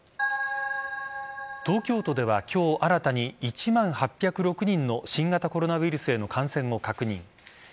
東京都では今日新たに１万８０６人の新型コロナウイルスへの感染を確認。